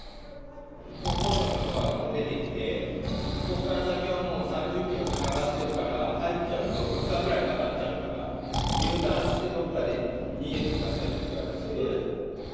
国交省の人が出てきて、ここから先はもう３０キロつながってるから、入っちゃうと、２日ぐらいかかっちゃうから、Ｕターンしてどっかで逃げてくださいって言われて。